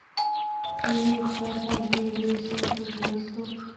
وۍ وۍ خدای پاک دې دوی سره پوه شي، بس څه وکړو.